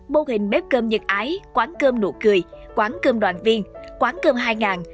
mô hình bếp cơm nhật ái quán cơm nụ cười quán cơm đoàn viên quán cơm hai ngàn